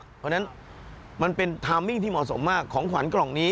เพราะฉะนั้นมันเป็นทามมิ่งที่เหมาะสมมากของขวัญกล่องนี้